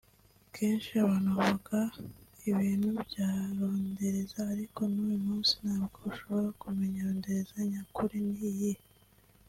Kenshi abantu bavuga ibintu bya rondereza ariko n’uyu munsi ntabwo ushobora kumenya rondereza nyakuri ni iyihe